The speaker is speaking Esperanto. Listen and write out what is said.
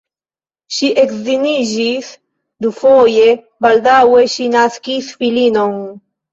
Ŝi edziniĝis dufoje, baldaŭe ŝi naskis filinon.